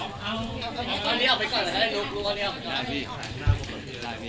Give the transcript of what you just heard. อ๋อตอนนี้เอาไปก่อนให้ลูกลูกตอนนี้เอาไปก่อน